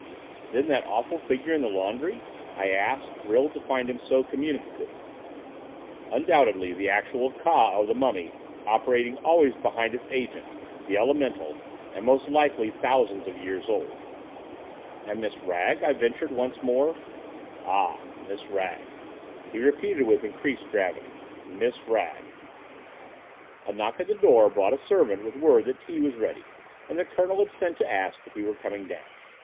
"Then that awful figure in the laundry?" I asked, thrilled to find him so communicative. "Undoubtedly the actual Ka of the mummy operating always behind its agent, the elemental, and most likely thousands of years old." "And Miss Wragge—?" I ventured once more. "Ah, Miss Wragge," he repeated with increased gravity, "Miss Wragge—" A knock at the door brought a servant with word that tea was ready, and the Colonel had sent to ask if we were coming down.